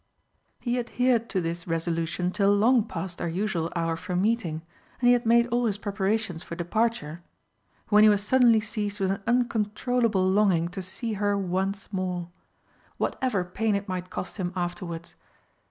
He adhered to this resolution till long past their usual hour for meeting, and he had made all his preparations for departure, when he was suddenly seized with an uncontrollable longing to see her once more whatever pain it might cost him afterwards.